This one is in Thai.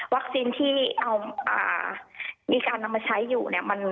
วัคซีนที่มีการเอามาใช้อยู่